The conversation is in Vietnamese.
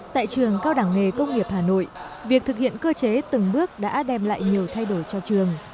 tại trường cao đẳng nghề công nghiệp hà nội việc thực hiện cơ chế từng bước đã đem lại nhiều thay đổi cho trường